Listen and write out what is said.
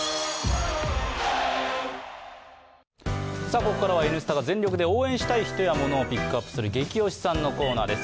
ここからは「Ｎスタ」が全力で応援したい人やモノをピックアップする「ゲキ推しさん」のコーナーです